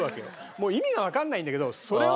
もう意味がわかんないんだけどそれを。